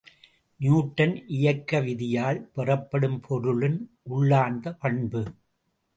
Newton இயக்க விதியால் பெறப்படும் பொருளின் உள்ளார்ந்த பண்பு.